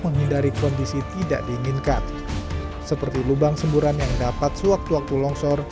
menghindari kondisi tidak diinginkan seperti lubang semburan yang dapat sewaktu waktu longsor